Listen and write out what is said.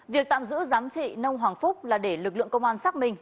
việc tạm giữ giám thị nông hoàng phúc là để lực lượng công an xác minh